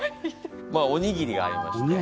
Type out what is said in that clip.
まあおにぎりがありますね。